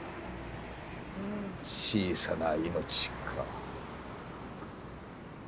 小さな命か。